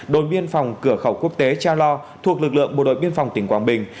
đồn biên phòng cửa khẩu quốc tế cha lo thuộc lực lượng bộ đội biên phòng tỉnh quảng bình